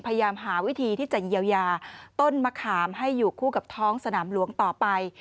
พยายามหาวิธีที่จะเยียวยาต้นมะขามให้อยู่คู่กับท้องสนามหลวงต่อไป